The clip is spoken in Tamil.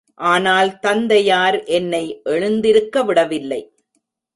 ஆனால் தந்தையார் என்னை எழுந்திருக்க விடவில்லை.